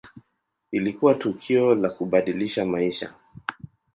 Ilikuwa tukio la kubadilisha maisha.